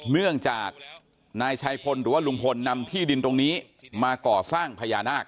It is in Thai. เนื่องจากนายชัยพลหรือว่าลุงพลนำที่ดินตรงนี้มาก่อสร้างพญานาค